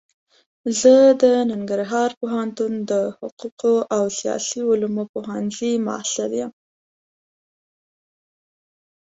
زه د ننګرهار پوهنتون د حقوقو او سیاسي علومو پوهنځي محصل يم.